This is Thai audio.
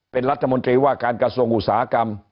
เป็นรัฐมนตรีว่าการกระทรวงอุตสาหกรรม